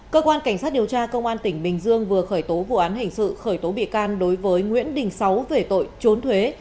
cơ quan cảnh sát điều tra công an tỉnh bình dương vừa khởi tố vụ án hình sự khởi tố bị can đối với nguyễn đình sáu về tội trốn thuế